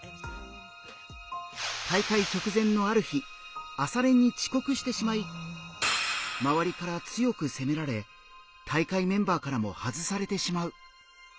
大会直前のある日朝練に遅刻してしまいまわりから強く責められ大会メンバーからも外されてしまう。